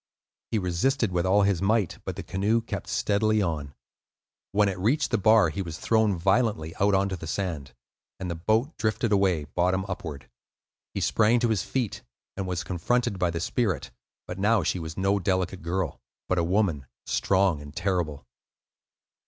He resisted with all his might, but the canoe kept steadily on. When it reached the bar, he was thrown violently out on to the sand, and the boat drifted away bottom upward. He sprang to his feet, and was confronted by the spirit; but now she was no delicate girl, but a woman, strong and terrible.